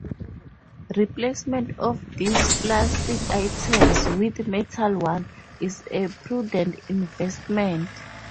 Replacement of these plastic items with metal ones is a prudent investment.